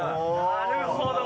なるほど。